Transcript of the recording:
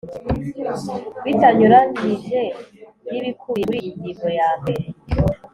Bitanyuranyije nibikubiye muri iyi ngingo yambere